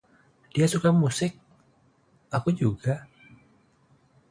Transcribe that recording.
"Dia suka musik." "Aku juga."